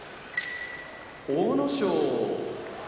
阿武咲